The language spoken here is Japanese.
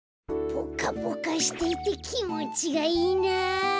ぽかぽかしていてきもちがいいな。